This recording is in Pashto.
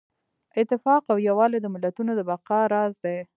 اتفاق او یووالی د ملتونو د بقا راز دی.